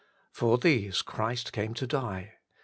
For these Christ came to die.